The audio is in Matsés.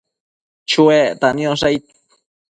Chonuecta niosh aid ?